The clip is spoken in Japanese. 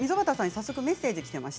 早速メッセージがきています。